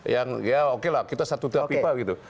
ya oke lah kita satu satu